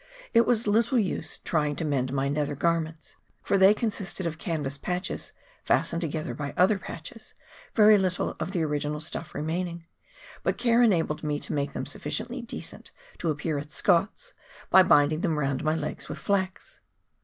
It was little use trying to mend my nether garments, for they con sisted of canvas patches fastened together by other patches, very little of the original stuff remaining, but care enabled me to make them sufficiently decent to appear at Scott's, by binding them round my legs with flax.